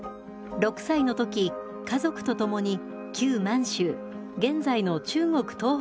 ６歳の時家族と共に旧満州現在の中国東北部に移住します。